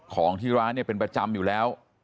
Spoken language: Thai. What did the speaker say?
ของที่ร้านเนี่ยเป็นประจำอยู่แล้ว